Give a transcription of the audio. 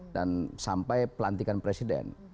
dan sampai pelantikan presiden